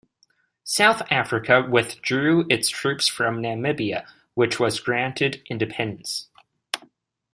South Africa withdrew its troops from Namibia, which was granted independence.